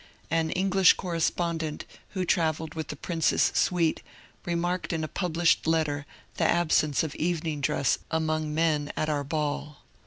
An English correspondent who travelled with the prince's suite remarked in a published letter the absence of evening dress among men at our ball.